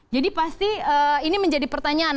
jadi pasti ini menjadi pertanyaan